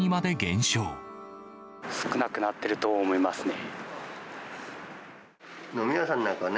少なくなっていると思いますね。